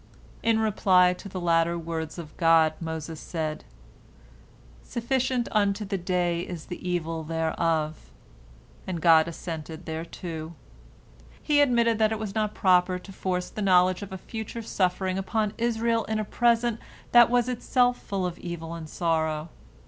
In reply to the latter words of God, Moses said, "Sufficient unto the day is the evil thereof," and God assented thereto. He admitted that it was not proper to force the knowledge of future suffering upon Israel in a present that was itself full of evil and sorrow.